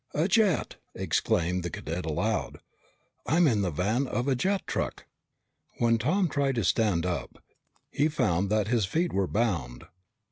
"A jet!" exclaimed the cadet aloud. "I'm in the van of a jet truck." When Tom tried to stand up, he found that his feet were bound.